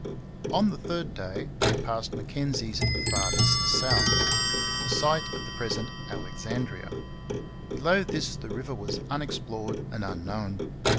On the third day they passed Mackenzie's farthest south the site of the present Alexandria. Below this the river was unexplored and unknown.